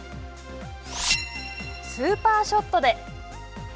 スーパーショットで！